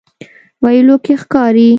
ویلو کې ښکاري.